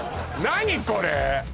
何これ！？